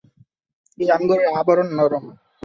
এই আঙ্গুরের আবরণ নরম।